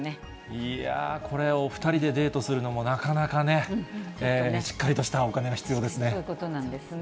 いやー、これ、お２人でデートするのもなかなかね、しっかりとしたお金が必要でそういうことなんですね。